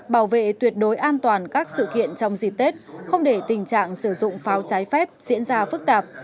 bảo vệ tuyệt đối an toàn các sự kiện trong dịp tết không để tình trạng sử dụng pháo trái phép diễn ra phức tạp